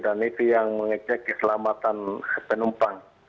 dan itu yang mengecek keselamatan penumpang